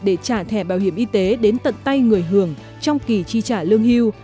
để trả thẻ bảo hiểm y tế đến tận tay người hưởng trong kỳ chi trả lương hưu